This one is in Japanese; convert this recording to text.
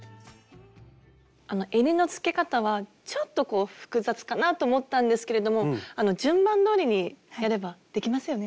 えりのつけ方はちょっと複雑かなと思ったんですけれども順番どおりにやればできますよね？